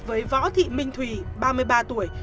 với võ thị minh thủy ba mươi ba tuổi